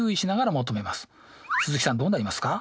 鈴木さんどうなりますか？